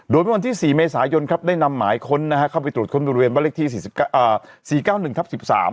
โดยในวันที่๔เมษายนครับได้นำหมายค้นนะฮะเข้าไปตรวจคนบริเวณวัตถี๔๙๑ทับ๑๓